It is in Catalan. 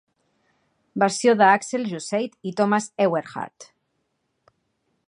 Versió de Axel Jusseit i Thomas Ewerhard.